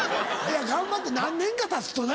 頑張って何年かたつとな。